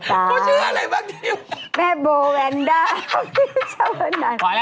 เขาเชื่ออะไรบ้าง